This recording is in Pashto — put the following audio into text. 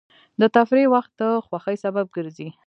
د تفریح وخت د خوښۍ سبب ګرځي.